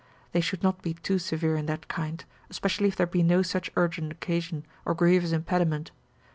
They should not be too severe in that kind, especially if there be no such urgent occasion, or grievous impediment.